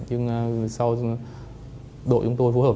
nhưng sau đó đội chúng tôi phù hợp